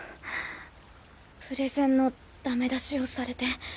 プレゼンのダメ出しをされて。